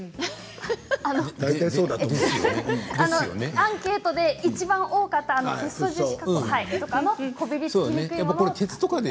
アンケートでいちばん多かったこびりつきにくいフライパンで。